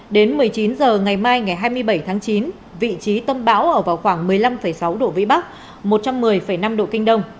đến một mươi chín h ngày mai ngày hai mươi bảy tháng chín vị trí tâm bão ở vào khoảng một mươi năm sáu độ vĩ bắc một trăm một mươi năm độ kinh đông